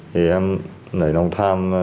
thì em nảy lòng tham